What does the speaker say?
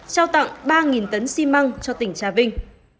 trao tặng ba tấn xi măng cho tỉnh trà vinh